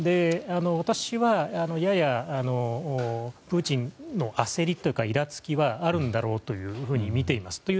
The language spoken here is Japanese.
私はややプーチンの焦りというかいらつきはあるんだろうというふうに見ています。